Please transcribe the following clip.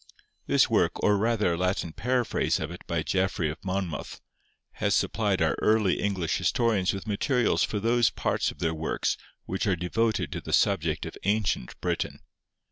This work, or rather a Latin paraphrase of it by Geoffrey of Monmouth, has supplied our early English historians with materials for those parts of their works which are devoted to the subject of ancient Britain.